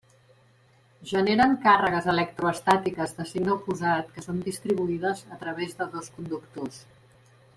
Generen càrregues electroestàtiques de signe oposat que són distribuïdes a través de dos conductors.